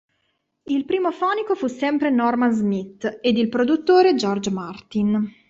Il primo fonico fu sempre Norman Smith ed il produttore George Martin.